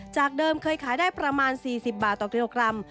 จากเดิมเคยขายได้ประมาณ๔๐บาทต่อกิโลกรัม